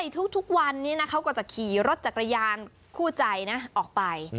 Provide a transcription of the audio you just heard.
ทุกวันนี้เขาก็จะขี่รถจักรยานคู่ใจนะออกไป